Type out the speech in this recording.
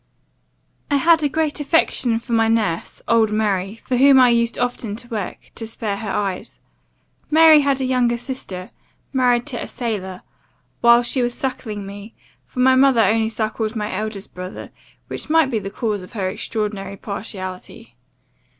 ] "I had a great affection for my nurse, old Mary, for whom I used often to work, to spare her eyes. Mary had a younger sister, married to a sailor, while she was suckling me; for my mother only suckled my eldest brother, which might be the cause of her extraordinary partiality.